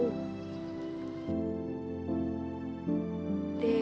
itu tulisan buat aku